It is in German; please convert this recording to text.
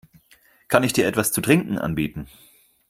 Kann ich dir etwas zu trinken anbieten?